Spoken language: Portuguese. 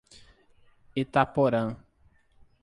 Itaporã